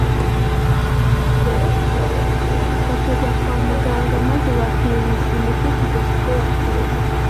bakajya kwa muganga maze bakiyuhiza imiti kugeza ubwo bapfuye